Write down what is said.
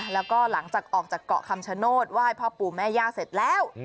แล้วก็หลังจากออกจากเกาะคำชโนธไหว้พ่อปู่แม่ย่าเสร็จแล้ว